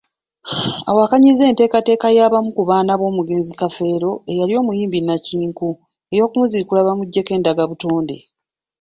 Awakanyizza enteekateeka y'abamu ku baana b'omugenzi Kafeero eyali omuyimbi nnakinku, ey'okumuziikula bamujjeko endagabutonde.